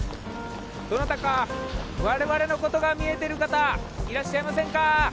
どなたか我々のことが見えてる方いらっしゃいませんか？